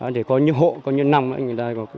để có những hộ có những năm